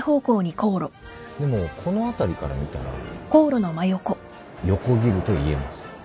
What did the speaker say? でもこの辺りから見たら「横切る」と言えます。